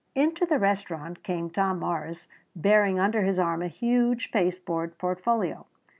Into the restaurant came Tom Morris bearing under his arm a huge pasteboard portfolio.